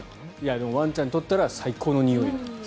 でもワンちゃんにとったら最高のにおいだと。